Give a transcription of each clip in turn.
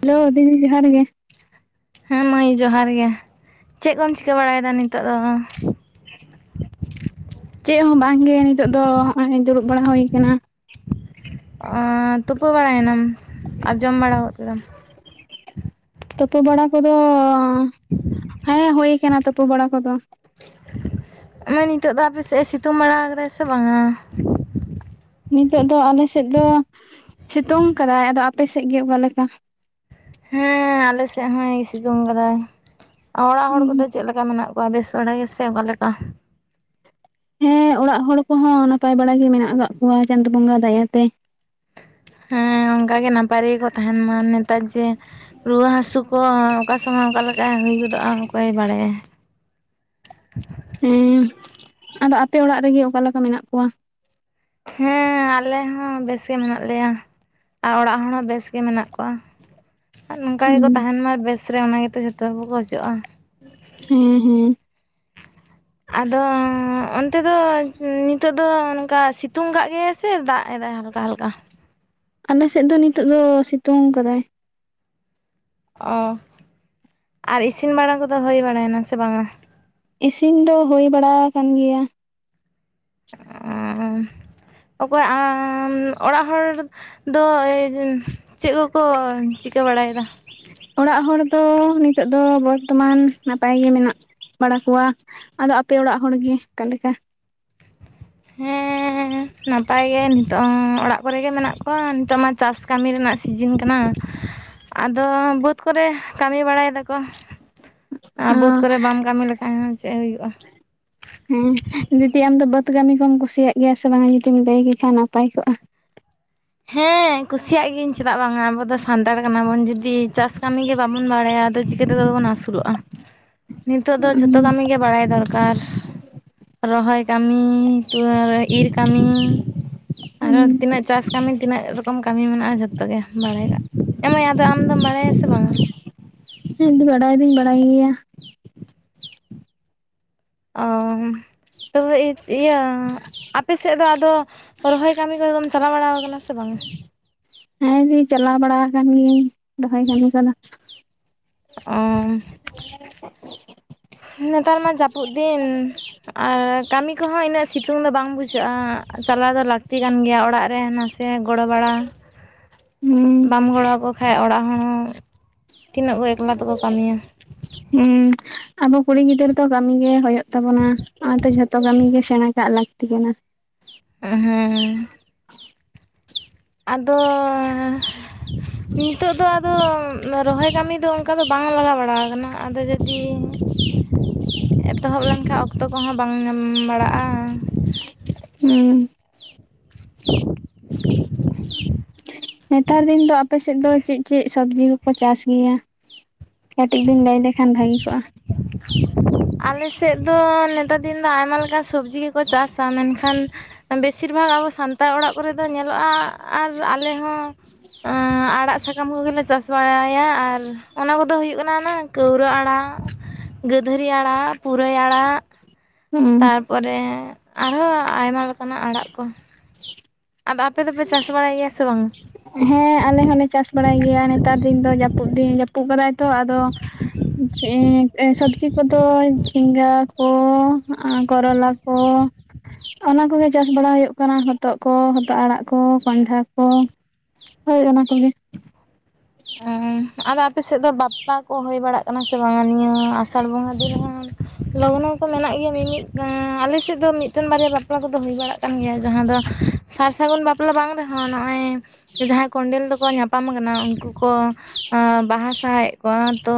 Hello ᱫᱤᱫᱤ ᱡᱚᱦᱟᱨ ᱜᱮ ᱦᱮᱸ ᱢᱟᱹᱭ ᱡᱚᱦᱟᱨ ᱜᱮ ᱪᱮᱫ ᱠᱚᱢ ᱪᱤᱠᱟᱹ ᱵᱟᱲᱟᱭᱫᱟ ᱱᱤᱛᱚᱜ ᱫᱚ ᱪᱮᱫ ᱦᱚᱵᱟᱝ ᱜᱮ ᱱᱤᱛᱚᱜ ᱫᱚ ᱦᱚᱜᱼᱚᱭ ᱫᱩᱲᱩᱵ ᱵᱟᱲᱟ ᱦᱳᱭ ᱠᱟᱱᱟ ᱛᱩᱯᱩ ᱵᱟᱲᱟᱭ ᱱᱟᱢ ᱟᱨ ᱡᱚᱢ ᱵᱟᱲᱟ ᱜᱚᱫ ᱠᱮᱫᱟᱢ ᱛᱳᱯᱳ ᱵᱟᱲᱟ ᱠᱚᱫᱚ, ᱦᱮᱸ ᱦᱳᱭ ᱠᱟᱱᱟ ᱛᱳᱯᱳ ᱵᱟᱲᱟ ᱠᱚᱫᱚ [unintelligible] ᱱᱤᱛᱚᱜ ᱫᱚ ᱟᱯᱮ ᱥᱮᱫ ᱮ ᱥᱤᱛᱩᱝ ᱵᱟᱲᱟ ᱠᱟᱫᱟᱭ ᱥᱮ ᱵᱟᱝ-ᱟ ᱱᱤᱛᱚᱜ ᱫᱚ ᱟᱞᱮ ᱥᱮᱫ ᱫᱚ ᱥᱤᱛᱳᱝ ᱠᱟᱫᱟᱭ ᱟᱫᱚ ᱟᱯᱮ ᱥᱮᱜ ᱜᱮ ᱚᱠᱟ ᱞᱮᱠᱟ ᱦᱮᱸ ᱟᱞᱮ ᱥᱮᱫ ᱦᱚᱭ ᱥᱤᱛᱩᱝ ᱠᱟᱫᱟ ᱚᱲᱟᱜ ᱦᱚᱲ ᱠᱚᱫᱚ ᱪᱮᱫ ᱞᱮᱠᱟ ᱢᱮᱱᱟᱜ ᱚᱠᱟ ᱵᱮᱥ ᱵᱟᱲᱟᱭ ᱜᱮ ᱥᱮ ᱚᱠᱟ ᱞᱮᱠᱟ ᱦᱮᱸ ᱚᱲᱟᱜ ᱦᱚᱲ ᱠᱚᱦᱚᱸ ᱱᱟᱯᱟᱭ ᱵᱟᱲᱟ ᱜᱮ ᱢᱮᱱᱟᱜ ᱠᱟᱜ ᱠᱚᱣᱟ ᱪᱟᱸᱫᱳ ᱵᱚᱸᱜᱟ ᱫᱟᱭᱟ ᱛᱮ ᱦᱮᱸ ᱚᱱᱠᱟ ᱜᱮ ᱱᱟᱯᱟᱭ ᱨᱮᱜᱮ ᱠᱚ ᱛᱟᱦᱮᱱ ᱢᱟ ᱱᱮᱛᱟᱨ ᱡᱮ ᱨᱩᱣᱟᱹ ᱦᱟᱥᱳ ᱠᱚ ᱚᱠᱟ ᱥᱩᱢᱟᱹᱭ ᱚᱱᱠᱟ ᱞᱮᱠᱟ ᱦᱩᱭ ᱜᱚᱫᱚᱜᱼᱟ ᱚᱠᱚᱭᱮ ᱵᱟᱲᱟᱭᱟ ᱦᱮᱸ ᱟᱫᱚ ᱟᱯᱮ ᱚᱲᱟᱜ ᱨᱮᱜᱮ ᱚᱠᱟᱞᱮ ᱞᱮᱠᱟ ᱢᱮᱱᱟᱜ ᱠᱚᱣᱟ ᱦᱮᱸ ᱟᱞᱮ ᱦᱚᱸ ᱵᱮᱥ ᱜᱮ ᱢᱮᱱᱟᱜ ᱞᱮᱭᱟ᱾ ᱟᱨ ᱚᱲᱟᱜ ᱦᱚᱲ ᱦᱚᱸ ᱵᱮᱥ ᱜᱮ ᱢᱮᱱᱟᱜ ᱠᱚᱣᱟ᱾ ᱟᱨ ᱱᱚᱝᱠᱟ ᱜᱮᱠᱚ ᱛᱟᱦᱮᱱ ᱢᱟ ᱵᱮᱥ ᱨᱮ ᱚᱱᱟ ᱜᱮᱛᱚ ᱡᱷᱚᱛᱚ ᱦᱚᱲ ᱠᱚ ᱠᱷᱚᱡᱚᱜᱼᱟ ᱦᱮᱸ ᱦᱮᱸ ᱟᱫᱚ ᱚᱱᱛᱮ ᱫᱚ ᱱᱤᱛᱳᱜ ᱫᱚ ᱚᱱᱠᱟ ᱥᱤᱛᱳᱝ ᱠᱟᱜ ᱜᱮᱭᱟᱭ ᱥᱮ ᱫᱟᱜ ᱮᱫᱟᱭ [unintelligible] ᱦᱟᱞᱠᱟ ᱟᱞᱮ ᱥᱮᱫ ᱫᱚ ᱱᱤᱛᱳᱜ ᱫᱚ ᱥᱤᱛᱳᱝ ᱠᱟᱫᱟᱭ ᱚ ᱟᱨ ᱤᱥᱤᱱ ᱵᱟᱲᱟ ᱠᱚᱫᱚ ᱦᱳᱭ ᱵᱟᱲᱟ ᱱᱟᱥᱮ ᱵᱟᱝᱟ ᱤᱥᱤᱱ ᱫᱚ ᱦᱳᱭ ᱵᱟᱲᱟ ᱠᱟᱱ ᱜᱮᱭᱟ ᱚ ᱚᱠᱚᱭ ᱟᱢ ᱚᱲᱟᱜ ᱦᱚᱲ ᱫᱚ, ᱪᱮᱫ ᱠᱚᱠᱚ ᱪᱤᱠᱟᱹ ᱵᱟᱲᱟᱭᱫᱟ? ᱚᱲᱟᱜ ᱦᱚᱲ ᱫᱚ ᱱᱤᱛᱳᱜ ᱫᱚ ᱵᱚᱨᱛᱚᱢᱟᱱ ᱱᱟᱯᱟᱭ ᱜᱮ ᱢᱮᱱᱟᱜ ᱵᱟᱲᱟ ᱠᱚᱣᱟ ᱟᱫᱚ ᱟᱯᱮ ᱚᱲᱟᱜ ᱦᱚᱲ ᱜᱮ ᱚᱠᱟ ᱞᱮᱠᱟ? ᱦᱮᱸ ᱱᱟᱯᱟᱭ ᱜᱮ ᱱᱤᱛᱚᱜ ᱚᱲᱟᱜ ᱠᱚᱨᱮᱜᱮ ᱢᱮᱱᱟᱜ ᱠᱚᱣᱟ ᱱᱤᱛᱚᱜ ᱢᱟ ᱪᱟᱥ ᱠᱟᱹᱢᱤ ᱨᱮᱱᱟᱜ ᱥᱤᱡᱤᱱ ᱠᱟᱱᱟ᱾ ᱟᱫᱚ ᱵᱟᱹᱫᱽ ᱠᱚᱨᱮ ᱠᱟᱹᱢᱤ ᱵᱟᱲᱟᱭ ᱫᱟᱠᱚ᱾ ᱟᱨ ᱵᱟᱹᱫᱽ ᱠᱚᱨᱮ ᱵᱟᱢ ᱠᱟᱹᱢᱤ ᱞᱮᱠᱷᱟᱱ ᱦᱚᱸ ᱪᱮᱫ ᱦᱩᱭᱩᱜᱼᱟ᱾ ᱦᱮᱸ ᱫᱤᱫᱤ ᱟᱢ ᱫᱚ ᱵᱟᱹᱫᱽ ᱠᱟᱹᱢᱤ ᱠᱚᱢ ᱠᱩᱥᱤᱭᱟᱜ ᱜᱮᱭᱟ ᱥᱮ ᱵᱟᱝ-ᱟ ᱡᱩᱫᱤᱢ ᱞᱟᱹᱭ ᱠᱮᱠᱷᱟ ᱱᱟᱯᱟᱭ ᱠᱚᱜᱼᱟ᱾ ᱦᱮᱸ ᱠᱩᱥᱤᱭᱟᱜ ᱜᱤᱭᱟᱹᱧ᱾ ᱪᱮᱫᱟᱜ ᱵᱟᱝ-ᱟ ᱟᱵᱚ ᱫᱚ ᱥᱟᱱᱛᱟᱲ ᱠᱟᱱᱟᱵᱚᱱ ᱡᱩᱫᱤ ᱪᱟᱥ ᱠᱟᱹᱢᱤ ᱜᱮ ᱵᱟᱵᱚᱱ ᱵᱟᱲᱟᱭᱟ ᱟᱫᱚ ᱪᱤᱠᱟᱹ ᱛᱮᱫᱚ ᱵᱚᱱ ᱟᱹᱥᱩᱞᱚᱜᱼᱟ᱾ ᱱᱤᱛᱳᱜ ᱫᱚ ᱡᱷᱚᱛᱚ ᱠᱟᱹᱢᱤ ᱜᱮ ᱵᱟᱲᱟᱭ ᱫᱚᱨᱠᱟᱨ, ᱨᱚᱦᱚᱭ ᱠᱟᱹᱢᱤ [unintelligible] ᱤᱨ ᱠᱟᱹᱢᱤ ᱟᱨᱦᱚ ᱦᱮᱸ ᱛᱤᱱᱟᱹᱜ ᱪᱟᱥ ᱠᱟᱹᱢᱤ ᱛᱤᱱᱟᱹᱜ ᱨᱚᱠᱚᱢ ᱠᱟᱹᱢᱤ ᱢᱮᱱᱟᱜᱼᱟ ᱡᱷᱚᱛᱚ ᱜᱮ ᱵᱟᱲᱟ ᱭᱚᱜᱼᱟ᱾ ᱮ ᱢᱟᱹᱭ ᱟᱫᱚ ᱟᱢ ᱫᱚᱢ ᱵᱟᱲᱟᱭᱟᱥᱮ ᱵᱟᱝ-ᱟ? ᱦᱮᱸ ᱫᱤ ᱵᱟᱰᱟᱭ ᱫᱩᱧ ᱵᱟᱲᱟᱭ ᱜᱮᱭᱟ᱾ ᱚᱻ ᱛᱚᱵᱮ ᱤᱭᱟᱹ ᱟᱯᱮ ᱥᱮᱫ ᱫᱚ ᱟᱫᱚ ᱨᱚᱦᱚᱭ ᱠᱟᱹᱢᱤ ᱠᱚᱨᱮ ᱫᱚᱢ ᱪᱟᱞᱟᱣ ᱵᱟᱲᱟ ᱠᱟᱱᱟ ᱥᱮ ᱵᱟᱝ-ᱟ? ᱦᱮᱸ ᱫᱤ ᱪᱟᱞᱟᱣ ᱵᱟᱲᱟ ᱠᱟᱱ ᱜᱤᱭᱟᱹᱧ ᱨᱚᱦᱚᱭ ᱠᱟᱹᱢᱤ ᱠᱚᱫᱚ᱾ ᱚ ᱱᱮᱛᱟᱨ ᱢᱟ ᱡᱟᱹᱯᱩᱫ ᱫᱤᱱ, ᱟᱨ ᱠᱟᱹᱢᱤ ᱠᱚᱦᱚᱸ ᱤᱱᱟᱹᱜ ᱥᱤᱛᱩᱝ ᱫᱚ ᱵᱟᱝ ᱵᱩᱡᱷᱟᱹᱜᱼᱟ, ᱪᱟᱞᱟᱣ ᱫᱚ ᱞᱟᱹᱠᱛᱤ ᱠᱟᱱ ᱜᱮᱭᱟ ᱚᱲᱟᱜ ᱨᱮᱭᱟ ᱱᱟ ᱥᱮ ᱜᱚᱲᱚ ᱵᱟᱲᱟ᱾ ᱦᱩᱸ ᱵᱟᱢ ᱜᱚᱲᱚ ᱟᱠᱚ ᱠᱷᱟᱡ ᱚᱲᱟᱜ ᱦᱚᱸ, ᱛᱤᱱᱟᱹᱜ ᱠᱚ ᱮᱠᱞᱟ ᱛᱮᱠᱚ ᱠᱟᱹᱢᱤᱭᱟ᱾ ᱦᱩᱸ ᱟᱵᱚ ᱠᱩᱲᱤ ᱜᱤᱫᱽᱨᱟᱹ ᱫᱚ ᱠᱟᱹᱢᱤ ᱜᱮ ᱦᱳᱭᱳᱜ ᱛᱟᱵᱚᱱᱟ, ᱚᱱᱟᱛᱮ ᱡᱷᱚᱛᱚ ᱠᱟᱹᱢᱤ ᱜᱮ ᱥᱮᱬᱟ ᱠᱟᱜ ᱞᱟᱹᱠᱛᱤ ᱠᱟᱱᱟ᱾ ᱦᱩᱸᱻ ᱟᱫᱚᱻ ᱱᱤᱛᱚᱜ ᱫᱚ ᱟᱫᱚ ᱨᱚᱦᱚᱭ ᱠᱟᱹᱢᱤ ᱫᱚ ᱚᱱᱠᱟ ᱫᱚ ᱵᱟᱝ ᱞᱟᱜᱟᱣ ᱵᱟᱲᱟᱣ ᱟᱠᱟᱱᱟ᱾ ᱟᱫᱚ ᱡᱚᱫᱤ ᱮᱛᱚᱦᱚᱵ ᱞᱮᱱᱠᱷᱟᱡ ᱚᱠᱛᱚ ᱠᱚᱦᱚᱸ ᱵᱟᱝ ᱧᱟᱢ ᱵᱟᱲᱟᱜᱼᱟ᱾ ᱦᱩᱸ ᱱᱮᱛᱟᱨ ᱫᱤᱱ ᱫᱚ ᱟᱯᱮ ᱥᱮᱫ ᱫᱚ ᱪᱮᱫ ᱪᱮᱫ ᱥᱚᱵᱡᱤ ᱠᱚᱠᱚ ᱪᱟᱥ ᱜᱮᱭᱟ? ᱠᱟᱹᱴᱤᱡ ᱵᱤᱱ ᱞᱟᱹᱭ ᱞᱮᱠᱷᱟᱱ ᱵᱷᱟᱹᱜᱤ ᱠᱚᱜᱼᱟ᱾ ᱟᱞᱮ ᱥᱮᱫ ᱫᱚ ᱱᱮᱛᱟᱨ ᱫᱤᱱ ᱫᱚ ᱟᱭᱢᱟ ᱞᱮᱠᱟᱱ ᱥᱚᱵᱡᱤ ᱜᱮᱠᱚ ᱪᱟᱥᱟ᱾ ᱢᱮᱱᱠᱷᱟᱱ ᱵᱮᱥᱤᱨ ᱵᱟᱜᱽ ᱟᱵᱚ ᱥᱟᱱᱛᱟᱲ ᱚᱲᱟᱜ ᱠᱚᱨᱮ ᱫᱚ ᱧᱮᱞᱚᱜᱼᱟ ᱟᱨ ᱟᱞᱮ ᱦᱚᱸ ᱟᱲᱟᱜ ᱥᱟ ᱫᱟᱢ ᱠᱚᱜᱮ ᱞᱮ ᱪᱟᱥ ᱵᱟᱲᱟᱭᱟ ᱟᱨ ᱚᱱᱟ ᱠᱚᱫᱚ ᱦᱩᱭᱩᱜ ᱠᱟᱱᱟ ᱚᱱᱟ ᱠᱟᱹᱣᱨᱟᱹ ᱟᱲᱟᱜ᱾ ᱜᱟᱹᱫᱷᱟᱹᱨᱤ ᱟᱲᱟᱜ, ᱯᱩᱨᱟᱹᱭ ᱟᱲᱟᱜ, ᱦᱩᱸ ᱛᱟᱨᱯᱚᱨᱮ ᱟᱨᱦᱚᱸ ᱟᱭᱢᱟ ᱞᱮᱠᱟᱱᱟᱜ ᱟᱲᱟᱜ ᱠᱚ᱾ [inaudible] ᱟᱫᱚ ᱟᱯᱮ ᱫᱚᱯᱮ ᱪᱟᱥ ᱵᱟᱲᱟᱭ ᱜᱮᱭᱟ ᱥᱮ ᱵᱟᱝ? ᱦᱮᱸ ᱟᱞᱮ ᱦᱚᱞᱮ ᱪᱟᱥ ᱵᱟᱲᱟᱭ ᱜᱮᱭᱟ ᱱᱮᱛᱟᱨ ᱫᱤᱱ ᱫᱚ ᱡᱟᱹᱯᱩᱫ ᱫᱤᱱ ᱡᱟᱹᱯᱩᱫ ᱠᱟᱫᱟᱭ ᱛᱚ ᱟᱫᱚ ᱥᱚᱵᱽᱡᱤ ᱠᱚᱫᱚ ᱡᱷᱤᱸᱜᱜᱟ ᱠᱚ ᱠᱚᱨᱚᱞᱟ ᱠᱚ [unintelligible] ᱚᱱᱟ ᱠᱚᱜᱮ ᱪᱟᱥ ᱵᱟᱲᱟ ᱦᱩᱭᱩᱜ ᱠᱟᱱᱟ ᱦᱚᱛᱚᱫ ᱠᱚ ᱟᱲᱟᱜ ᱠᱚ ᱠᱟᱱᱸᱰᱷᱟ ᱠᱚ ᱦᱳᱭ ᱚᱱᱟ ᱠᱚᱜᱮ᱾ ᱚᱸ ᱟᱫᱚ ᱟᱯᱮ ᱥᱮᱫ ᱫᱚ ᱵᱟᱫ ᱵᱟᱯᱞᱟ ᱠᱚ ᱦᱩᱭ ᱵᱟᱲᱟᱜ ᱠᱟᱱᱟ ᱥᱮ ᱵᱟᱝᱟ ᱱᱤᱭᱟᱹ ᱟᱥᱟᱲ ᱵᱚᱸᱜᱟ ᱫᱤᱱ ᱨᱮᱦᱚᱸ ᱞᱚᱜᱱᱚ ᱠᱚ ᱢᱮᱱᱟᱜ ᱜᱮᱭᱟ, ᱢᱤᱢᱤᱫ ᱟᱞᱮᱥᱮᱫ ᱫᱚ ᱢᱤᱫᱴᱮᱱ ᱵᱟᱨᱭᱟ ᱵᱟᱯᱞᱟ ᱠᱚᱫᱚ ᱦᱩᱭ ᱵᱟᱲᱟᱜ ᱠᱟᱱ ᱜᱮᱭᱟ ᱡᱟᱦᱟᱸ ᱫᱚ ᱥᱟᱨ ᱥᱟᱹᱜᱩᱱ ᱵᱟᱯ ᱞᱟ ᱫᱚ ᱵᱟᱝ ᱨᱮᱦᱚᱸ ᱱᱚᱜᱼᱚᱭ ᱡᱟᱦᱟᱸᱭ ᱠᱚᱱᱰᱮᱞ ᱫᱚᱠᱚ ᱧᱟᱯᱟᱢ ᱟᱠᱟᱱᱟ ᱩᱱᱠᱩ᱾ ᱠᱚ ᱵᱟᱦᱟ ᱥᱟᱦᱟᱭᱮᱫ ᱠᱚᱣᱟ, ᱛᱚ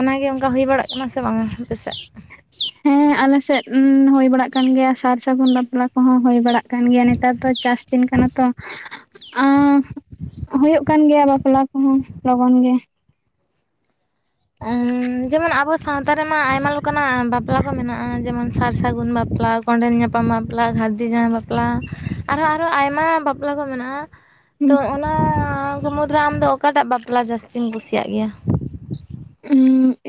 ᱚᱱᱟᱜᱮ ᱚᱱᱠᱟ ᱦᱩᱭ ᱵᱟᱲᱟᱜ ᱠᱟᱱᱟ ᱥᱮ ᱵᱟᱝᱟ ᱟᱯᱮᱥᱮᱫ? ᱦᱮᱸ ᱟᱞᱮ ᱥᱮᱫ ᱦᱩᱭ ᱵᱟᱲᱟᱜ ᱠᱟᱱ ᱜᱮᱭᱟ ᱥᱟᱨ ᱥᱟᱹᱜᱩᱱ ᱵᱟᱯᱞᱟ ᱠᱚᱦᱚᱸ ᱦᱩᱭ ᱵᱟᱲᱟᱜ ᱠᱟᱱ ᱜᱮᱭᱟ ᱱᱮᱛᱟᱨ ᱫᱚ ᱪᱟᱥ ᱫᱤᱱ ᱠᱟᱱᱟ ᱛᱚ ᱟᱨ ᱦᱩᱭᱩᱜ ᱠᱟᱱ ᱜᱮᱭᱟ ᱵᱟᱯᱞᱟ ᱠᱚᱦᱚᱸ ᱞᱚᱜᱚᱱ ᱜᱮ ᱡᱮᱢᱚᱱ ᱟᱵᱚ ᱥᱟᱶᱛᱟ ᱨᱮᱢᱟ ᱟᱭᱢᱟ ᱞᱮᱠᱟᱱᱟᱜ ᱵᱟᱯᱞᱟ ᱠᱚ ᱢᱮᱱᱟᱜᱼᱟ ᱡᱮᱢᱚᱱ ᱥᱟᱨ ᱥᱟᱹᱜᱩᱱ ᱵᱟᱯᱞᱟ ᱠᱚᱸᱰᱮᱞ ᱧᱟᱯᱟᱢ ᱵᱟᱯᱞᱟ ᱜᱟᱨᱫᱤ ᱡᱟᱦᱟᱸᱣ ᱵᱟᱯᱞᱟ ᱟᱨᱦᱚᱸ ᱟᱨᱚ ᱟᱭᱢᱟ ᱵᱟᱯᱞᱟ ᱵᱟᱯᱞᱟ ᱠᱚ ᱢᱮᱱᱟᱜᱼᱟ ᱦᱩᱸ ᱛᱚ ᱚᱱᱟ ᱠᱚ ᱢᱩᱫᱽᱨᱮ ᱟᱢ ᱫᱚ ᱚᱠᱟᱴᱟᱜ ᱵᱟᱯᱞᱟ ᱡᱟᱹᱥᱛᱤᱧ ᱠᱩᱥᱤᱭᱟᱜ ᱜᱮᱭᱟ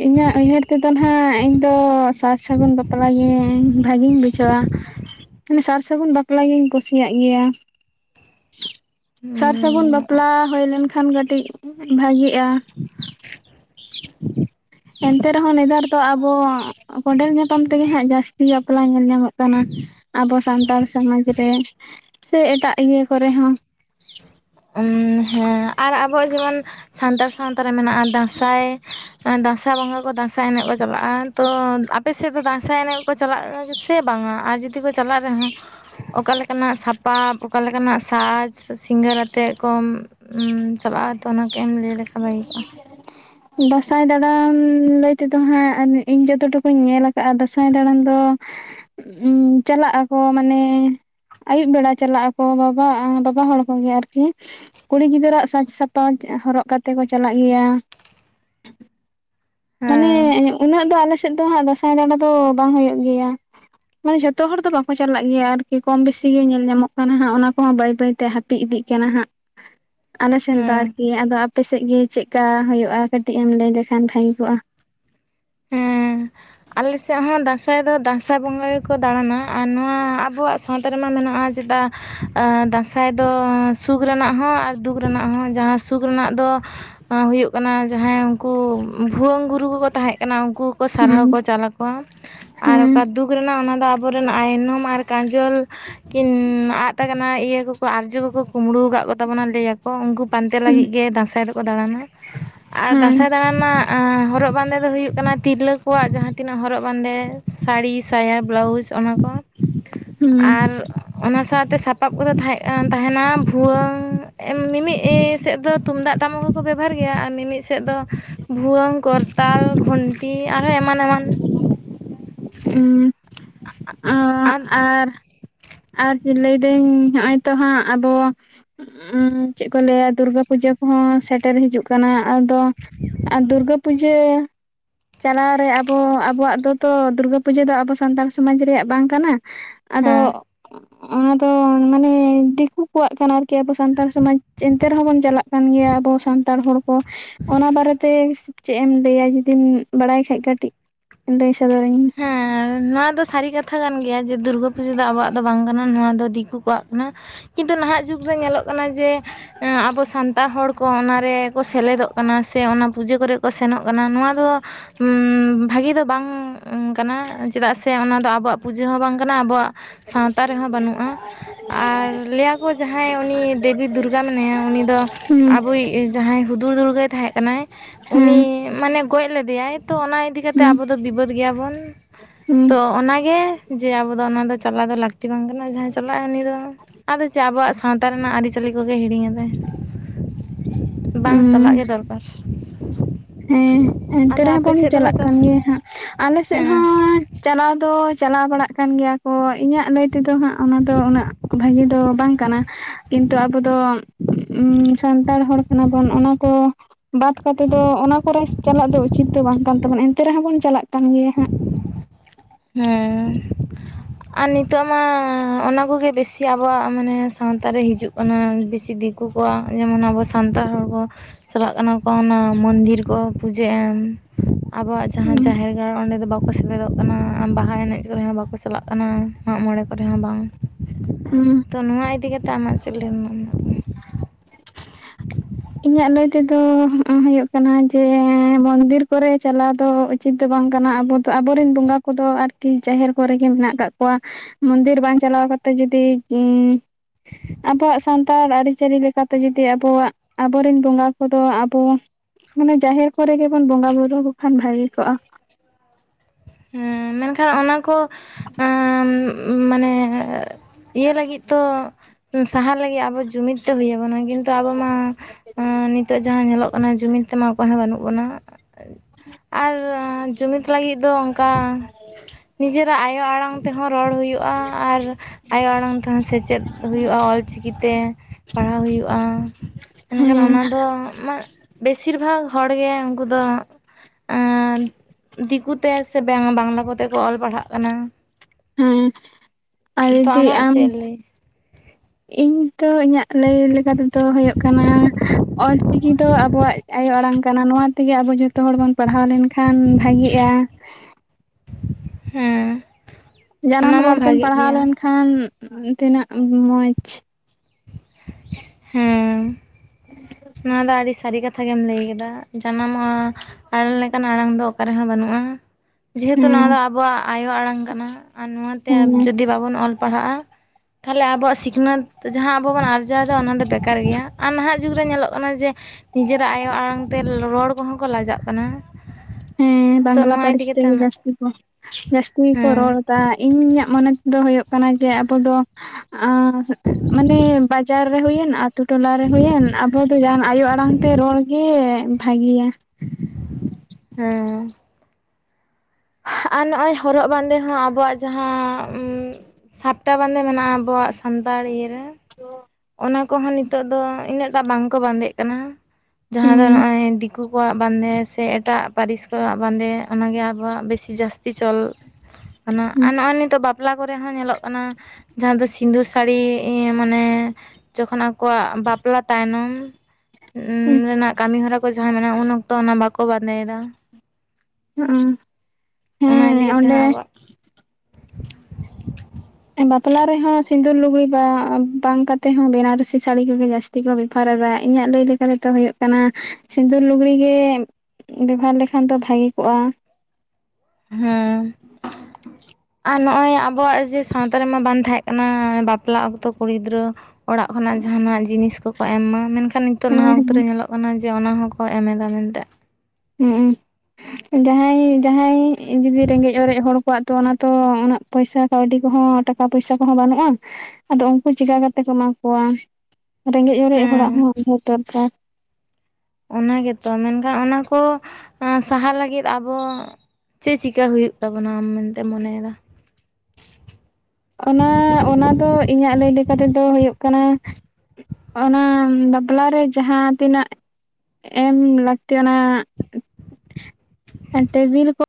ᱤᱧᱟᱹᱜ ᱩᱭᱦᱟᱹᱨ ᱛᱮᱫᱚ ᱱᱟᱦᱟᱜ ᱤᱧ ᱫᱚ ᱥᱟᱨ ᱥᱟᱹᱜᱩᱱ ᱵᱟᱯ ᱵᱟᱯᱞᱟᱜᱮ ᱵᱷᱟᱜᱮᱧ ᱵᱩᱡᱷᱟᱹᱣᱟ ᱢᱟᱱᱮ ᱥᱟᱨ ᱥᱟᱹᱜᱩᱱ ᱵᱟᱯᱞᱟᱜᱤᱧ ᱠᱩᱥᱤᱭᱟᱜ ᱜᱮᱭᱟ [inaudible] ᱦᱩᱸ ᱥᱟᱨ ᱥᱟᱹᱜᱩᱱ ᱵᱟᱯᱞᱟ ᱦᱩᱭ ᱞᱮᱱᱠᱷᱟᱱ ᱠᱟᱹᱴᱤᱡ ᱵᱷᱟᱜᱤᱜᱼᱟ [inaudible] ᱮᱱᱛᱮ ᱨᱮᱦᱚᱸ ᱱᱮᱛᱟᱨ ᱫᱚ ᱟᱵᱚ ᱠᱚᱸᱰᱮᱞ ᱧᱟᱯᱟᱢ ᱛᱮᱜᱮ ᱦᱟᱸᱜ ᱡᱟᱹᱥᱛᱤ ᱵᱟᱯᱞᱟ ᱧᱮᱞ ᱧᱟᱢᱚᱜ ᱠᱟᱱᱟ ᱟᱵᱚ ᱥᱟᱱᱛᱟᱲ ᱥᱚᱢᱟᱡᱽ ᱨᱮ ᱥᱮ ᱮᱴᱟᱜ ᱤᱭᱟᱹ ᱠᱚᱨᱮ ᱦᱚᱸ ᱦᱮᱸ ᱟᱨ ᱟᱵᱚᱣᱟᱜ ᱡᱮᱢᱚᱱ ᱥᱟᱱᱛᱟᱲ ᱥᱟᱶᱛᱟ ᱨᱮ ᱢᱮᱱᱟᱜᱼᱟ ᱫᱟᱸᱥᱟᱭ ᱫᱟᱸᱥᱟᱭ ᱵᱚᱸᱜᱟ ᱠᱚ ᱫᱟᱸᱥᱟᱭ ᱫᱟᱸᱥᱟᱭ ᱮᱱᱮᱡ ᱠᱚ ᱪᱟᱞᱟᱜᱼᱟ ᱛᱚ ᱟᱯᱮ ᱥᱮᱫ ᱫᱚ ᱫᱟᱸᱥᱟᱭ ᱮᱱᱮᱡ ᱠᱚ ᱪᱟᱞᱟᱜᱼᱟ ᱥᱮ ᱵᱟᱝᱟ ᱟᱨ ᱡᱩᱫᱤ ᱛᱤ ᱠᱚ ᱪᱟᱞᱟᱜ ᱨᱮᱦᱚᱸ ᱚᱠᱟ ᱞᱮᱠᱟᱱᱟᱜ ᱥᱟᱯᱟᱵ ᱚᱠᱟ ᱞᱮᱠᱟᱱᱟᱜ ᱥᱟᱡᱽ ᱥᱤᱸᱜᱟᱹᱨᱟᱛᱮ ᱛᱮᱫ ᱠᱚᱢ ᱪᱟᱞᱟᱜᱼᱟ ᱛᱚ ᱚᱱᱟ ᱠᱟᱹᱡ ᱮᱢ ᱞᱟᱹᱭ ᱞᱮᱠᱷᱟᱱ ᱵᱷᱟᱜᱤ ᱠᱚᱜᱼᱟ ᱫᱟᱸᱥᱟᱭ ᱫᱟᱬᱟᱱ ᱞᱟᱹᱭ ᱛᱮᱫᱚ ᱦᱟᱸᱜ ᱤᱧ ᱡᱚᱛ ᱴᱩᱠᱩᱧ ᱧᱮᱞ ᱠᱟᱜᱼᱟ ᱫᱟᱸᱥᱟᱭ ᱫᱟᱬᱟᱱ ᱫᱚ ᱩ ᱪᱟᱞᱟᱜ ᱟᱠᱚ ᱢᱟᱱᱮ ᱟᱹᱭᱩᱵ ᱵᱮᱲᱟ ᱪᱟᱞᱟᱜ ᱟᱠᱚ ᱵᱟᱵᱟ ᱵᱟᱵᱟ ᱦᱚᱲ ᱠᱚᱜᱮ ᱟᱨᱠᱤ ᱠᱩᱲᱤ ᱜᱤᱫᱽᱨᱟᱹ ᱟᱜ ᱥᱟᱡᱽ ᱥᱟᱯᱟᱯ ᱦᱚᱨᱚᱜ ᱠᱟᱛᱮᱫ ᱠᱚ ᱪᱟᱞᱟᱜ ᱜᱮᱭᱟ ᱢᱟᱱᱮ ᱦᱮᱸ ᱩᱱᱟᱹᱜ ᱫᱚ ᱟᱞᱮ ᱥᱮᱫ ᱫᱚ ᱦᱟᱜ ᱫᱟᱸᱥᱟᱭ ᱫᱟᱸᱰᱟ ᱫᱚ ᱵᱟᱝ ᱦᱩᱭᱩᱜ ᱜᱮᱭᱟ ᱢᱟᱱᱮ ᱡᱷᱚᱛᱚ ᱦᱚᱲ ᱫᱚ ᱵᱟᱠᱚ ᱪᱟᱞᱟᱜ ᱜᱮᱭᱟ ᱟᱨᱠᱤ ᱠᱚᱢ ᱵᱮᱥᱤ ᱜᱮ ᱧᱮᱞ ᱧᱟᱢᱚᱜ ᱠᱟᱱᱟ ᱦᱟᱜ ᱚᱱᱟ ᱠᱚᱦᱚᱸ ᱵᱟᱹᱭ ᱵᱟᱹᱭᱛᱮ ᱦᱟᱹᱯᱤᱫ ᱤᱫᱤᱜ ᱠᱟᱱᱟ ᱦᱟᱸᱜ [inaudible] ᱟᱞᱮ ᱥᱮᱱ ᱫᱚ ᱦᱮᱸ ᱟᱨᱠᱤ ᱟᱫᱚ ᱟᱯᱮᱥᱮᱫ ᱜᱤ ᱪᱮᱫᱞᱮ ᱦᱩᱭᱩᱜᱼᱟ ᱠᱟᱹᱴᱤᱡ ᱮᱢ ᱞᱟᱹᱭ ᱞᱮᱠᱷᱟᱱ ᱵᱷᱟᱜᱤ ᱠᱚᱜᱼᱟ ᱦᱮᱸ ᱟᱞᱮ ᱥᱮᱫ ᱦᱚᱸ ᱫᱟᱸᱥᱟᱭ ᱫᱚ ᱫᱟᱸᱥᱟᱭ ᱵᱚᱸᱜᱟ ᱜᱮᱠᱚ ᱫᱟᱬᱟᱱᱟ ᱟᱨ ᱱᱚᱣᱟ ᱟᱵᱚᱣᱟᱜ ᱥᱟᱶᱛᱟ ᱨᱮᱢᱟ ᱢᱮᱱᱟᱜᱼᱟ ᱪᱮᱫᱟᱜ ᱫᱟᱸᱥᱟᱭ ᱫᱚ ᱥᱩᱠ ᱨᱮᱱᱟᱜ ᱦᱚᱸ ᱟᱨ ᱫᱩᱠ ᱨᱮᱱᱟᱜ ᱦᱚᱸ ᱡᱟᱦᱟᱸ ᱥᱩᱠ ᱨᱮᱱᱟᱜ ᱫᱚ ᱦᱩᱭᱩᱜ ᱠᱟᱱᱟ ᱡᱟᱦᱟᱸᱭ ᱩᱱᱠᱩ ᱵᱷᱩᱭᱟᱹᱝ ᱜᱩᱨᱩ ᱠᱚᱠᱚ ᱛᱟᱦᱮᱸ ᱠᱟᱱᱟ ᱩᱱᱝᱠᱩ ᱠᱚ ᱦᱩᱸ ᱥᱟᱨᱦᱟᱣ ᱠᱚ ᱪᱟᱞᱟᱜ ᱠᱟᱱᱟ ᱟᱨ ᱦᱩᱸ ᱚᱠᱟ ᱫᱩᱠ ᱨᱮᱱᱟᱜ ᱚᱱᱟ ᱫᱚ ᱟᱵᱚᱨᱮᱱ ᱟᱭᱱᱚᱢ ᱟᱨ ᱠᱟᱸᱡᱚᱞ ᱠᱤᱱ ᱟᱫ ᱟᱠᱟᱱᱟ ᱤᱭᱟᱹ ᱠᱚᱠᱚ ᱟᱨᱡᱚ ᱠᱚᱠᱚ ᱠᱩᱢᱵᱽᱲᱩ ᱟᱠᱟᱫ ᱠᱚᱛᱟ ᱵᱚᱱᱟ ᱞᱟᱹᱭᱟᱠᱚ ᱩᱱᱠᱩ ᱯᱟᱱᱛᱮ ᱦᱩᱸ ᱞᱟᱹᱜᱤᱫ ᱜᱮ ᱫᱟᱸᱥᱟᱭ ᱫᱚᱠᱚ ᱫᱟᱬᱟᱱᱟ ᱟᱨ ᱦᱮᱸ ᱫᱟᱸᱥᱟᱭ ᱫᱟᱬᱟ ᱨᱮᱱᱟᱜ ᱦᱚᱨᱚᱜ ᱵᱟᱸᱫᱮ ᱫᱚ ᱦᱩᱭᱩᱜ ᱠᱟᱱᱟ ᱛᱤᱨᱞᱟᱹ ᱠᱚᱣᱟᱜ ᱡᱟᱦᱟᱸ ᱛᱤᱱᱟᱹᱜ ᱦᱚᱨᱚᱜ ᱵᱟᱸᱫᱮ ᱥᱟᱹᱲᱤ ᱥᱟᱭᱟ ᱵᱮᱞᱟᱣᱩᱡ ᱚᱱᱟ ᱠᱚ ᱦᱩᱸ ᱟᱨ ᱚᱱᱟ ᱥᱟᱶᱛᱮ ᱥᱟᱯᱟᱯ ᱠᱚᱫᱚ ᱛᱟᱦᱮᱸ ᱛᱟᱦᱮᱱᱟ ᱵᱷᱩᱣᱟᱹᱝ ᱢᱤᱢᱤᱫ ᱥᱮᱫ ᱫᱚ ᱛᱩᱢᱫᱟᱜ ᱴᱟᱢᱟᱠ ᱜᱮᱠᱚ ᱵᱮᱵᱚᱦᱟᱨ ᱜᱮᱭᱟ ᱟᱨ ᱢᱤᱢᱤᱫ ᱥᱮᱫ ᱫᱚ ᱵᱷᱩᱭᱟᱹᱝ ᱠᱚᱨᱛᱟᱞ ᱜᱷᱚᱱᱴᱟ ᱛᱤ ᱟᱨᱦ ᱮᱢᱟᱱ ᱮᱢᱟᱱ ᱦᱸ ᱚ ᱟᱨ [unintelligible] ᱟᱨ ᱞᱟᱹᱭᱫᱟᱹᱧ ᱱᱚᱜᱼᱚᱭ ᱛᱚ ᱦᱟᱸᱜ ᱟᱵᱚ ᱪᱮᱫ ᱠᱚ ᱞᱟᱹᱭᱟ ᱫᱩᱨᱜᱟ ᱯᱩᱡᱟᱹ ᱠᱚᱦᱚᱸ ᱥᱮᱴᱮᱨ ᱦᱤᱡᱩᱜ ᱠᱟᱱᱟ ᱠᱟᱱᱟ ᱟᱫᱚ ᱫᱩᱨᱜᱟᱹ ᱯᱩᱡᱟᱹ ᱪᱟᱞᱟᱣ ᱨᱮ ᱟᱵᱚ ᱟᱵᱚᱣᱟᱜ ᱫᱚ ᱛᱚ ᱫᱩᱨᱜᱟᱹ ᱯᱩᱡᱟᱹ ᱫᱚ ᱟᱵᱚ ᱥᱟᱱᱛᱟᱲ ᱥᱚᱢᱟᱡᱽ ᱨᱮᱭᱟᱜ ᱵᱟᱝ ᱠᱟᱱᱟ ᱟᱫᱚ ᱦᱮᱸ ᱚᱱᱟ ᱫᱚ ᱢᱟᱱᱮ ᱫᱤᱠᱩ ᱠᱚᱣᱟᱜ ᱠᱟᱱᱟ ᱟᱨᱠᱤ ᱟᱵᱚ ᱥᱟᱱᱛᱟᱲ ᱥᱚᱢᱟᱡᱽ ᱮᱱᱛᱮ ᱨᱮᱦᱚᱸ ᱵᱚᱱ ᱪᱟᱞᱟᱜ ᱠᱟᱱᱟ ᱠᱟᱱ ᱜᱮᱭᱟ ᱟᱵᱚ ᱥᱟᱱᱛᱟᱲ ᱦᱚᱲ ᱠᱚ ᱚᱱᱟ ᱵᱟᱨᱮᱛᱮ ᱪᱮᱫ ᱮᱢ ᱞᱟᱹᱭᱟ ᱡᱚᱫᱤᱢ ᱵᱟᱲᱟᱭ ᱠᱷᱟᱡ ᱠᱟᱹᱴᱤᱡ ᱞᱟᱹᱭ ᱥᱚᱫᱚᱨᱟᱹᱧ ᱢᱮ ᱦᱮᱸ ᱱᱚᱣᱟ ᱫᱚ ᱥᱟᱹᱨᱤ ᱠᱟᱛᱷᱟ ᱠᱟᱱ ᱜᱮᱭᱟ ᱡᱮ ᱫᱩᱨᱜᱟᱹ ᱯᱩᱡᱟᱹ ᱫᱚ ᱟᱵᱚᱣᱟᱜ ᱫᱚ ᱵᱟᱝ ᱠᱟᱱᱟ ᱱᱚᱣᱟ ᱫᱚ ᱫᱤᱠᱩ ᱠᱚᱣᱟᱜ ᱠᱟᱱᱟ ᱠᱤᱱᱛᱩ ᱱᱟᱦᱟᱜ ᱡᱩᱜᱽ ᱨᱮ ᱧᱮᱞᱚᱜ ᱠᱟᱱᱟ ᱡᱮ ᱟᱵᱚ ᱥᱟᱱᱛᱟᱲ ᱦᱚᱲ ᱠᱚ ᱚᱱᱟ ᱨᱮᱠᱚ ᱥᱮᱞᱮᱫᱚᱜ ᱠᱟᱱᱟ ᱥᱮ ᱚᱱᱟ ᱯᱩᱡᱟᱹ ᱠᱚᱨᱮ ᱠᱚ ᱥᱮᱱᱚᱜ ᱠᱟᱱᱟ ᱱᱚᱣᱟ ᱫᱚ ᱵᱷᱟᱜᱤ ᱫᱚ ᱵᱟᱝ ᱠᱟᱱᱟ ᱪᱮᱫᱟᱜ ᱥᱮ ᱥᱮ ᱚᱱᱟᱫᱚ ᱟᱵᱚᱣᱟᱜ ᱯᱩᱡᱟᱹ ᱦᱚᱸ ᱵᱟᱝ ᱠᱟᱱᱟ ᱟᱵᱚᱣᱟᱜ ᱥᱟᱶᱛᱟ ᱨᱮᱦᱚᱸ ᱵᱟᱹᱱᱩᱜᱼᱟ ᱟᱨ ᱞᱟᱹᱭᱟᱠᱚ ᱡᱟᱦᱟᱸᱭ ᱩᱱᱤ ᱫᱮᱵᱤ ᱫᱩᱨᱜᱟ ᱢᱮᱱᱟᱭᱟ ᱩᱱᱤ ᱫᱚ ᱦᱩᱸ ᱟᱵᱚᱭᱤᱡ ᱡᱟᱦᱟᱸᱭ ᱦᱩᱫᱩᱲᱼᱫᱩᱨᱜᱟᱹᱭ ᱛᱟᱦᱮᱸ ᱠᱟᱱᱟᱭ ᱩᱱᱤ ᱦᱮᱸ ᱢᱟᱱᱮ ᱜᱚᱡ ᱞᱮᱫᱮᱭᱟᱭ ᱛᱚ ᱚᱱᱟ ᱤᱫᱤ ᱠᱟᱛᱮ ᱦᱩᱸ ᱟᱵᱚ ᱫᱚ ᱵᱤᱵᱟᱹᱫᱽ ᱜᱮᱭᱟᱵᱚᱱ ᱦᱩᱸ ᱛᱚ ᱚᱱᱟᱜᱮ ᱡᱮ ᱟᱵᱚ ᱫᱚ ᱚᱱᱟ ᱫᱚ ᱪᱟᱞᱟᱣ ᱫᱚ ᱞᱟᱹᱠᱛᱤ ᱵᱟᱝ ᱠᱟᱱᱟ ᱡᱟᱦᱟᱸᱭ ᱪᱟᱞᱟᱜᱼᱟ ᱩᱱᱤ ᱫᱚ ᱟᱫᱚ ᱪᱮᱫ ᱟᱵᱚᱣᱟᱜ ᱥᱟᱶᱛᱟ ᱨᱮᱱᱟᱜ ᱟᱹᱨᱤᱪᱟᱹᱞᱤ ᱠᱚᱜᱮ ᱦᱤᱲᱤᱧ ᱮᱫᱟᱭ ᱵᱟᱝ ᱪᱟᱞᱟᱜ ᱩᱸ ᱜᱮ ᱫᱚᱨᱠᱟᱨ ᱦᱮᱸ ᱮᱱᱛᱮ ᱟᱫᱚ ᱨᱮᱦᱚᱸ ᱟᱯᱮ ᱵᱚᱱ ᱥᱮᱫ ᱫᱚᱠᱚ ᱪᱟᱞᱟᱜ ᱪᱟ ᱠᱟᱱ ᱜᱮᱭᱟ ᱦᱟᱸᱜ ᱟᱞᱮ ᱥᱮᱫ ᱦᱮᱸ ᱦᱚᱸ ᱪᱟᱞᱟᱣ ᱫᱚ ᱪᱟᱞᱟᱣ ᱵᱟᱲᱟᱜ ᱠᱟᱱ ᱜᱮᱭᱟ ᱚ ᱤᱧᱟᱹᱜ ᱞᱟᱹᱭ ᱛᱮᱫᱚ ᱦᱟᱸᱜ ᱚᱱᱟ ᱫᱚ ᱩᱱᱟᱹᱜ ᱵᱷᱟᱜᱤ ᱫᱚ ᱵᱟᱝ ᱠᱟᱱᱟ ᱠᱤᱱᱛᱩ ᱟᱵᱚ ᱫᱚ ᱥᱟᱱᱛᱟᱲ ᱦᱚᱲ ᱠᱟᱱᱟᱵᱚᱱ ᱚᱱᱟᱠᱚ ᱵᱟᱫ ᱠᱟᱛᱮ ᱫᱚ ᱚᱱᱟ ᱠᱚᱨᱮ ᱪᱟᱞᱟᱜ ᱫᱚ ᱩᱪᱤᱛ ᱫᱚ ᱵᱟᱝ ᱠᱟᱱ ᱛᱟᱵᱚᱱᱟ ᱮᱱᱛᱮ ᱨᱮᱦᱚᱸ ᱵᱚᱱ ᱪᱟᱞᱟᱜ ᱠᱟᱱ ᱜᱮᱭᱟ ᱦᱟᱸᱜ ᱦᱮᱸ ᱟᱨ ᱱᱤᱛᱚᱜ ᱢᱟ ᱚᱱᱟ ᱠᱚᱜᱮ ᱵᱮᱥᱤ ᱟᱵᱚᱣᱟᱜ ᱢᱟᱱᱮ ᱥᱟᱶᱛᱟ ᱨᱮ ᱦᱤᱡᱩᱜ ᱠᱟᱱᱟ ᱵᱮᱥᱤ ᱫᱤᱠᱩ ᱠᱚᱣᱟᱜ ᱡᱮᱢᱚᱱ ᱟᱵᱚ ᱥᱟᱱᱛᱟᱲ ᱦᱚᱲ ᱠᱚ ᱪᱟᱞᱟᱜ ᱠᱟᱱᱟ ᱠᱚ ᱚᱱᱟ ᱢᱚᱱᱫᱤᱨ ᱠᱚ ᱯᱩᱡᱟᱹ ᱮᱢ ᱟᱵᱚᱣᱟᱜ ᱡᱟᱦᱟᱸ ᱡᱟᱦᱮᱨ ᱜᱟᱲ ᱚᱸᱰᱮ ᱫᱚ ᱵᱟᱠᱚ ᱥᱮᱞᱮᱫᱚᱜ ᱠᱟᱱᱟ ᱵᱟᱦᱟ ᱮᱱᱮᱡ ᱠᱚᱨᱮ ᱦᱚᱸ ᱵᱟᱠᱚ ᱪᱟᱞᱟᱜ ᱠᱟᱱᱟ ᱢᱟᱜ ᱢᱚᱬᱮ ᱠᱚᱨᱮ ᱦᱚᱸ ᱵᱟᱝ ᱦᱩᱸ ᱛᱚ ᱱᱚᱣᱟ ᱤᱫᱤ ᱠᱟᱛᱮ ᱟᱢᱟᱜ ᱪᱮᱫ ᱞᱮ ᱢᱮ ᱟᱢᱟᱜ ᱤᱧᱟᱹᱜ ᱞᱟᱹᱭ ᱛᱮᱫᱚᱜ ᱦᱩᱭᱩᱜ ᱠᱟᱱᱟ ᱡᱮ ᱢᱚᱱᱫᱤᱨ ᱠᱚᱨᱮ ᱪᱟᱞᱟᱣ ᱫᱚ ᱩᱪᱤᱛ ᱫᱚ ᱵᱟᱝ ᱠᱟᱱᱟ ᱟᱵᱚ ᱫᱚ ᱟᱵᱚᱨᱮᱱ ᱵᱚᱸᱜᱟ ᱠᱚᱫᱚ ᱟᱨᱠᱤ ᱡᱟᱦᱮᱨ ᱠᱚᱨᱮ ᱜᱮ ᱢᱮᱱᱟᱜ ᱟᱠᱟᱫ ᱠᱚᱣᱟ᱾ ᱢᱚᱱᱫᱤᱨ ᱵᱟᱝ ᱪᱟᱞᱟᱣ ᱠᱟᱛᱮ ᱡᱚᱫᱤ ᱩᱢᱻ ᱟᱵᱚᱣᱟᱜ ᱥᱟᱱᱛᱟᱲ ᱟᱹᱨᱤᱪᱟᱹᱞᱤ ᱞᱮᱠᱟᱛᱮ ᱡᱩᱫᱤ ᱟᱵᱚᱣᱟᱜ ᱟᱵᱚᱨᱮᱱ ᱵᱚᱸᱜᱟ ᱠᱚᱫᱚ ᱟᱵᱚ ᱢᱟᱱᱮ ᱡᱟᱦᱮᱨ ᱠᱚᱨᱮ ᱜᱮᱵᱚᱱ ᱵᱚᱸᱜᱟ ᱵᱩᱨᱩ ᱠᱚ ᱠᱷᱟᱱ ᱵᱷᱟᱹᱜᱤ ᱠᱚᱜᱼᱟ᱾ ᱦᱮᱸ ᱢᱮᱱᱠᱷᱟᱱ ᱚᱱᱟ ᱠᱚ [unintelligible] ᱢᱟᱱᱮ ᱤᱭᱟᱹ ᱞᱟᱹᱜᱤᱫ ᱛᱚ ᱥᱟᱦᱟ ᱞᱟᱹᱜᱤᱜ ᱟᱵᱚ ᱡᱩᱢᱤᱫ ᱛᱮ ᱦᱩᱭ ᱟᱵᱚᱱᱟ ᱠᱤᱱᱛᱩ ᱟᱵᱚ ᱢᱟ ᱮ ᱱᱤᱛᱚᱜ ᱡᱟᱦᱟᱸ ᱧᱮᱞᱚᱜ ᱠᱟᱱᱟ ᱡᱩᱢᱤᱫ ᱛᱮᱢᱟ ᱚᱠᱚᱭ ᱦᱚᱸ ᱵᱟᱹᱱᱩᱜ ᱵᱚᱱᱟ ᱟᱨ ᱡᱩᱢᱤᱫ ᱞᱟᱹᱜᱤᱫ ᱫᱚ ᱚᱝᱠᱟ ᱱᱤᱡᱮᱨᱟᱜ ᱟᱭᱳ ᱟᱲᱟᱝ ᱛᱮᱦᱚᱸ ᱨᱚᱲ ᱦᱩᱭᱩᱜᱼᱟ᱾ ᱟᱨ ᱟᱭᱳ ᱟᱲᱟᱝ ᱛᱮᱦᱚᱸ ᱥᱮᱪᱮᱫ ᱦᱩᱭᱩᱜᱼᱟ ᱚᱞᱪᱤᱠᱤ ᱛᱮ ᱯᱟᱲᱦᱟᱣ ᱦᱩᱭᱩᱜᱼᱟ᱾ ᱮᱱᱠᱷᱟᱱ ᱦᱮᱸ ᱚᱱᱟᱫᱚ ᱢᱟ ᱵᱮᱥᱤᱨ ᱵᱷᱟᱜᱽ ᱦᱚᱲ ᱜᱮ ᱩᱝᱠᱩ ᱫᱚ ᱮᱸ ᱫᱤᱠᱩ ᱛᱮ ᱥᱮ ᱵᱮᱝ ᱵᱟᱝᱞᱟ ᱠᱚᱛᱮ ᱠᱚ ᱚᱞ ᱯᱟᱲᱦᱟᱜ ᱠᱟᱱᱟ᱾ ᱦᱮᱸ ᱛᱚ ᱟᱭᱰᱤ ᱟᱢᱟᱜ ᱟᱢ [unintelligible] ᱤᱧ ᱛᱚ ᱤᱧᱟᱹᱜ ᱞᱟᱹᱭ ᱞᱮᱠᱟ ᱛᱮᱫᱚ ᱦᱩᱭᱩᱜ ᱠᱟᱱᱟ ᱚᱞᱪᱤᱠᱤ ᱫᱚ ᱟᱵᱚᱣᱟᱜ ᱟᱭᱳ ᱟᱲᱟᱝ ᱠᱟᱱᱟ ᱱᱚᱣᱟ ᱛᱮᱜᱮ ᱟᱵᱚ ᱡᱚᱛᱚ ᱦᱚᱲ ᱵᱚᱱ ᱯᱟᱲᱦᱟᱣ ᱞᱮᱱᱠᱷᱟᱱ ᱵᱷᱟᱜᱤᱜᱼᱟ᱾ ᱦᱮᱸ ᱡᱟᱱᱟᱢ ᱚᱱᱟ ᱢᱟ ᱨᱚᱲᱛᱮᱢ ᱵᱷᱟᱜᱮᱜ ᱯᱟᱲᱦᱟᱣ ᱜᱮᱭᱟ ᱞᱮᱱᱠᱷᱟᱱ ᱛᱤᱱᱟᱹᱜ ᱢᱚᱸᱡᱽ᱾ ᱦᱮᱸ ᱱᱚᱣᱟ ᱫᱚ ᱟᱹᱰᱤ ᱥᱟᱹᱨᱤ ᱠᱟᱛᱷᱟ ᱜᱮᱢ ᱞᱟᱹᱭ ᱠᱮᱫᱟ ᱡᱟᱱᱟᱢ ᱟᱲᱟᱝ ᱞᱮᱠᱟᱱ ᱟᱲᱟᱝ ᱫᱚ ᱚᱠᱟ ᱨᱮᱦᱚᱸ ᱵᱟᱹᱱᱩᱜᱼᱟ᱾ ᱡᱮᱦᱮᱛᱩ ᱱᱚᱣᱟ ᱦᱮᱸ ᱫᱚ ᱟᱵᱚᱣᱟᱜ ᱟᱭᱳ ᱟᱲᱟᱝ ᱠᱟᱱᱟ ᱟᱨ ᱱᱚᱣᱟᱛᱮ ᱦᱮᱸ ᱡᱩᱫᱤ ᱵᱟᱵᱚᱱ ᱚᱞ ᱯᱟᱲᱦᱟᱜᱼᱟ ᱛᱟᱦᱚᱞᱮ ᱟᱵᱚᱣᱟᱜ ᱥᱤᱠᱷᱱᱟᱹᱛ ᱛᱚ ᱡᱟᱦᱟᱸ ᱟᱵᱚ ᱵᱚᱱ ᱟᱨᱡᱟᱣᱫᱟ ᱚᱱᱟ ᱫᱚ ᱵᱮᱠᱟᱨ ᱜᱮᱭᱟ ᱟᱨ ᱱᱟᱦᱟᱜ ᱡᱩᱜᱽ ᱨᱮ ᱧᱮᱞᱚᱜ ᱚᱱᱟ ᱡᱮ ᱱᱤᱡᱮᱨᱟᱜ ᱟᱭᱳ ᱟᱲᱟᱝ ᱛᱮ ᱨᱚᱲ ᱠᱚᱦᱚᱸ ᱠᱚ ᱞᱟᱡᱟᱜ ᱠᱟᱱᱟ᱾ ᱦᱮᱸ ᱛᱚ ᱵᱟᱝᱞᱟ ᱱᱚᱣᱟ ᱤᱫᱤ ᱯᱟᱹᱨᱤᱥ ᱠᱟᱛᱮ ᱛᱮᱜᱮ ᱟᱢᱟᱜ ᱡᱟᱹᱥᱛᱤ ᱠᱚ ᱡᱟᱹᱥᱛᱤ ᱜᱮ ᱠᱚ ᱦᱮᱸ ᱨᱚᱲᱫᱟ᱾ ᱤᱧᱟᱹᱜ ᱢᱚᱱᱮ ᱛᱮᱫᱚ ᱦᱩᱭᱩᱜ ᱠᱟᱱᱟ ᱡᱮ ᱟᱵᱚ ᱫᱚ ᱟᱸ ᱢᱟᱱᱮ ᱵᱟᱡᱟᱨ ᱨᱮ ᱦᱩᱭᱮᱱ ᱟᱛᱩ ᱴᱚᱞᱟᱮ ᱦᱩᱭᱮᱱ ᱟᱵᱚ ᱫᱚ ᱡᱟᱦᱟᱱ ᱟᱭᱳ ᱟᱲᱟᱝ ᱛᱮ ᱨᱚᱲ ᱜᱮ ᱵᱷᱟᱜᱮᱭᱟ᱾ ᱦᱮᱸ ᱟᱨ ᱱᱚᱜᱼᱚᱭ ᱦᱚᱨᱚᱜ ᱵᱟᱸᱫᱮ ᱦᱚᱸ ᱟᱵᱚᱣᱟᱜ ᱡᱟᱦᱟᱸ ᱚᱸ ᱥᱟᱯ ᱴᱟ ᱵᱟᱸᱫᱮ ᱢᱮᱱᱟᱜᱼᱟ ᱟᱵᱚᱣᱟᱜ ᱥᱟᱱᱛᱟᱲ ᱤᱭᱟᱹᱨᱮ [inaudible] ᱚᱱᱟ ᱠᱚᱦᱚᱸ ᱱᱤᱛᱚᱜ ᱫᱚ ᱤᱱᱟᱹᱜ ᱴᱟᱜ ᱵᱟᱝ ᱠᱚ ᱵᱟᱸᱫᱮᱜ ᱠᱟᱱᱟ᱾ ᱡᱟᱦᱟᱸ ᱫᱚ ᱦᱮᱸ ᱱᱚᱜᱼᱚᱭ ᱫᱤᱠᱩ ᱠᱚᱣᱟᱜ ᱵᱟᱸᱫᱮ ᱥᱮ ᱮᱴᱟᱜ ᱯᱟᱹᱨᱤᱥ ᱠᱚᱟᱜ ᱵᱟᱸᱫᱮ ᱚᱱᱟᱜᱮ ᱟᱵᱚᱣᱟᱜ ᱵᱮᱥᱤ ᱡᱟᱹᱥᱛᱤ ᱪᱚᱞ ᱠᱟᱱᱟ ᱟᱨ ᱱᱚᱜᱼᱚᱭ ᱱᱤᱛᱚᱜ ᱵᱟᱯ ᱯᱞᱟ ᱠᱚᱨᱮ ᱦᱚᱸ ᱧᱮᱞᱚᱜ ᱠᱟᱱᱟ ᱡᱟᱦᱟᱸ ᱫᱚ ᱥᱤᱸᱫᱩᱨ ᱥᱟᱹᱲᱤ ᱮ ᱢᱟᱱᱮ ᱡᱚᱠᱷᱚᱱ ᱟᱠᱚᱣᱟᱜ ᱵᱟᱯᱞᱟ ᱛᱟᱭᱱᱚᱢ ᱦᱮᱸ ᱨᱮᱱᱟᱜ ᱠᱟᱹᱢᱤ ᱦᱚᱨᱟ ᱠᱚ ᱡᱟᱦᱟᱸ ᱢᱮᱱᱟᱜᱼᱟ ᱩᱱ ᱚᱠᱛᱚ ᱚᱱᱟ ᱵᱟᱠᱚ ᱵᱟᱸᱫᱮ ᱮᱫᱟ᱾ ᱚᱸ ᱚᱱᱟ ᱤᱫᱤ ᱠᱟᱛᱮ ᱦᱚᱸ ᱟᱵᱚᱣᱟᱜ ᱵᱟᱯᱞᱟ ᱨᱮᱦᱚᱸ ᱥᱤᱸᱫᱩᱨ ᱞᱩᱜᱽᱲᱤ ᱵᱟ ᱵᱟᱝ ᱠᱟᱛᱮ ᱦᱚᱸ ᱵᱮᱱᱟᱨᱥᱤ ᱥᱟᱹᱲᱤ ᱠᱚᱜᱮ ᱡᱟᱹᱥᱛᱤ ᱠᱚ ᱵᱮᱯᱟᱨᱫᱟ ᱤᱧᱟᱹᱜ ᱞᱟᱹᱭ ᱞᱮᱠᱟ ᱛᱮᱫᱚ ᱦᱩᱭᱩᱜ ᱠᱟᱱᱟ ᱥᱤᱸᱫᱩᱨ ᱞᱩᱜᱽᱲᱤ ᱜᱮ ᱵᱮᱵᱷᱟᱨ ᱞᱮᱠᱷᱟᱱ ᱫᱚ ᱵᱷᱟᱹᱜᱮ ᱠᱚᱜᱼᱟ᱾ ᱦᱚᱸ ᱟᱨ ᱱᱚᱜᱼᱚᱭ ᱟᱵᱚᱣᱟᱜ ᱡᱮ ᱥᱟᱶᱛᱟ ᱨᱮᱢᱟ ᱵᱟᱝ ᱛᱟᱦᱮᱸ ᱠᱟᱱᱟ ᱵᱟᱯ ᱵᱟᱯᱞᱟᱜ ᱚᱠᱛᱚ ᱠᱩᱲᱤ ᱜᱤᱫᱽᱨᱟᱹ ᱚᱲᱟᱜ ᱠᱷᱚᱱᱟᱜᱟᱱᱟᱜ ᱡᱤᱱᱤᱥ ᱠᱚᱠᱚ ᱮᱢᱢᱟ ᱢᱮᱱᱠᱷᱟᱱ ᱱᱤᱛᱚᱜ ᱱᱟᱦᱟᱜ ᱚᱠᱛᱚ ᱨᱮ ᱦᱮᱸ ᱧᱮᱞᱚᱜ ᱠᱟᱱᱟ᱾ ᱡᱮ ᱚᱱᱟ ᱦᱚᱸᱠᱚ ᱮᱢ ᱮᱫᱟ ᱢᱮᱱᱛᱮ ᱦ ᱡᱟᱦᱟᱸᱭ ᱡᱟᱦᱟᱸᱭ ᱡᱚᱫᱤ ᱨᱮᱸᱜᱮᱡ ᱚᱨᱮᱡ ᱦᱚᱲ ᱠᱚᱣᱟᱜ ᱛᱚ ᱚᱱᱟ ᱛᱚ ᱩᱱᱟᱹᱜ ᱯᱚᱭᱥᱟ ᱠᱟᱹᱣᱰᱤ ᱠᱚᱦᱚᱸ ᱴᱟᱠᱟ ᱯᱚᱭᱥᱟ ᱠᱚᱦᱚᱸ ᱵᱟᱹᱱᱩᱜᱼᱟ᱾ ᱟᱫᱚ ᱩᱱᱠᱩ ᱪᱮᱠᱟ ᱠᱟᱛᱮ ᱠᱚ ᱮᱢᱟ ᱠᱚᱣᱟ ᱨᱮᱸᱜᱮᱡ ᱚᱨᱮᱡ ᱦᱚᱲᱟᱜ ᱦᱮᱸ ᱦᱚᱸ ᱠᱷᱩᱵ ᱜᱮ ᱫᱚᱨᱠᱟᱨ ᱚᱱᱟ ᱜᱮᱛᱚ ᱢᱮᱱᱠᱷᱟᱱ ᱚᱱᱟ ᱠᱚ ᱥᱟᱦᱟ ᱞᱟᱹᱜᱤᱫ ᱟᱵᱚ ᱪᱮᱫ ᱪᱤᱠᱟ ᱦᱩᱭᱩᱜ ᱛᱟᱵᱚᱱᱟ ᱟᱢ ᱢᱮᱱᱛᱮᱢ ᱢᱚᱱᱮ ᱭᱮᱫᱟ ᱚᱱᱟ ᱚᱱᱟ ᱫᱚ ᱤᱧᱟᱹᱜ ᱞᱟᱹᱭ ᱞᱮᱠᱟ ᱛᱮᱫᱚ ᱦᱩᱭᱩᱜ ᱠᱟᱱᱟ ᱚᱱᱟ ᱵᱟᱯᱞᱟ ᱨᱮ ᱡᱟᱦᱟᱸ ᱛᱤᱱᱟᱹᱜ ᱮᱢ ᱞᱟᱹᱠᱛᱤ ᱚᱱᱟ ᱴᱮᱵᱤᱞ ᱠᱚ